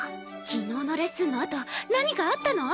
昨日のレッスンのあと何かあったの？